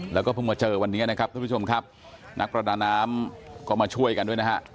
แล้วก็เพิ่งมาเจอวันนี้นะครับทุกผู้ชมครับนักประดาน้ำก็มาช่วยกันด้วยนะฮะ